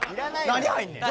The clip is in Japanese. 何入んねん！